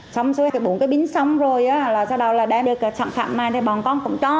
xong rồi bốn cái pin xong rồi sau đó là đem được sản phẩm này thì bọn con cũng cho